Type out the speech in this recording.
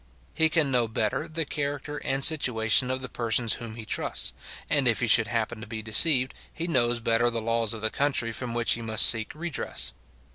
He can know better the character and situation of the persons whom he trusts; and if he should happen to be deceived, he knows better the laws of the country from which he must seek redress.